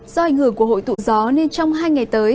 do ảnh hưởng của hội tụ gió nên trong hai ngày tới